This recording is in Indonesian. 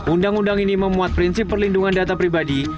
undang undang ini memuat prinsip perlindungan data pribadi